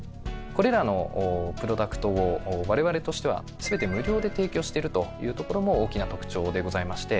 これらのプロダクトを我々としては全て無料で提供しているというところも大きな特徴でございまして。